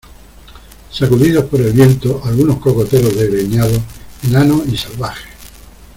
sacudidos por el viento, algunos cocoteros desgreñados , enanos y salvajes.